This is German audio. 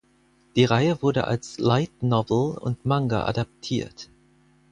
Die Reihe wurde als Light Novel und Manga adaptiert.